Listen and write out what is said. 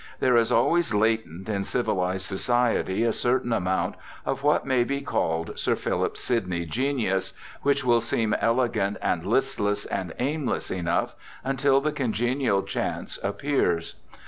There is always latent in civilized society a certain amount of what may be called Sir Philip Sidney genius, which will seem elegant and listless and aimless enough until the congenial chance appears.